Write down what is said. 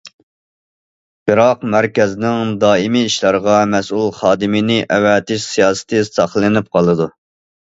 بىراق مەركەزنىڭ دائىمىي ئىشلارغا مەسئۇل خادىمىنى ئەۋەتىش سىياسىتى ساقلىنىپ قالىدۇ.